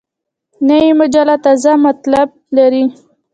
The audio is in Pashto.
نوې مجله تازه مطالب لري